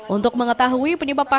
untuk mengetahui penyebab pasangan